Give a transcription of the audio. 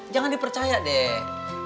jangan dipercaya deh